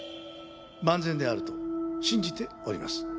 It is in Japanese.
万全であると信じております。